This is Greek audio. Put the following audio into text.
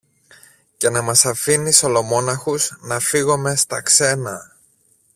Και να μας αφήνεις ολομόναχους να φύγομε στα ξένα!